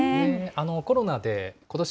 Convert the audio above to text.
コロナでことし